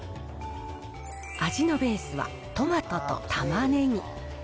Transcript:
味のベースはトマトとたまねぎ。